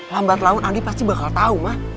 lambat laun andi pasti bakal tahu mah